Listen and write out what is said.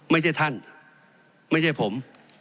ไม่ใช่ท่านไม่ใช่ผม